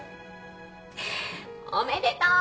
おめでとう！